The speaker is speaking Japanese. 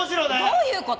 どういう事！？